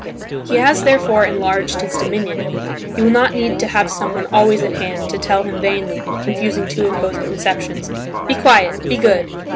He has therefore enlarged his dominion. He will not need to have someone always at hand, to tell him vainly (confusing two opposing conceptions), "Be quiet! Be good!"